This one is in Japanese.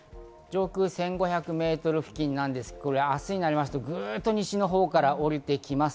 上空１５００ｍ付近なんですけれど、明日になりますとグッと西のほうから下りてきます。